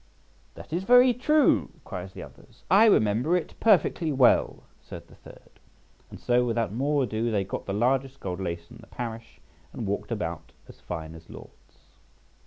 "That is very true," cries the other. "I remember it perfectly well," said the third. And so, without more ado, they got the largest gold lace in the parish, and walked about as fine as lords.